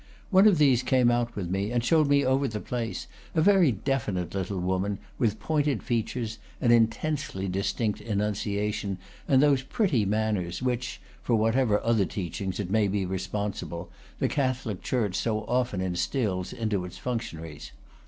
One of these came out with me, and showed me over the place, a very definite little woman, with pointed features, an intensely distinct enunciation, and those pretty man ners which (for whatever other teachings it may be responsible) the Catholic church so often instils into its functionaries.